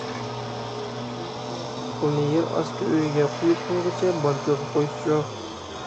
شۇنچە جىق پۇلنى يەر ئاستى ئۆيىگە قويۇپ قويغۇچە بانكىغا قويسىچۇ؟